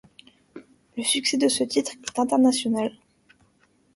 Le succès de ce titre est international.